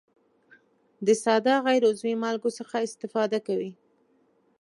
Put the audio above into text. د ساده غیر عضوي مالګو څخه استفاده کوي.